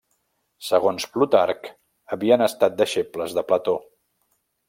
Segons Plutarc havien estat deixebles de Plató.